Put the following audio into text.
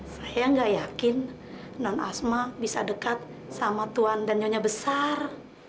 saya gak yakin non asma bisa dekat sama tuhan dan nyonya besar